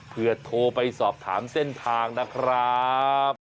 เพื่อโทรไปสอบถามเส้นทางนะครับ